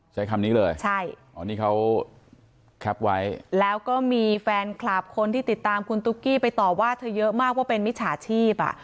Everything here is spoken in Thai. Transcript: ใช้คำนี้เลยใช่อ๋อนี่เขาแคปไว้แล้วก็มีแฟนคลับคนที่ติดตามคุณตุ๊กกี้ไปต่อว่าเธอเยอะมากว่าเป็นมิจฉาชีพอ่ะ